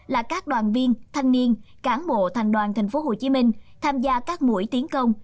là các đoàn viên thanh niên cán bộ thành đoàn tp hcm tham gia các mũi tiến công